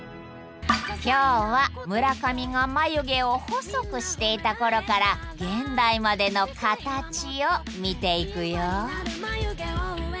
今日は村上が眉毛を細くしていた頃から現代までのカタチを見ていくよ